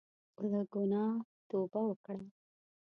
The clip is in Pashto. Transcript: له ګناه توبه وکړه.